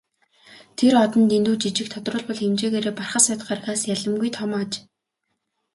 Тэр од нь дэндүү жижиг, тодруулбал хэмжээгээрээ Бархасбадь гаригаас ялимгүй том аж.